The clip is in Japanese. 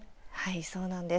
そうなんです。